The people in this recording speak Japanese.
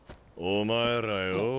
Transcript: お前らよぉ。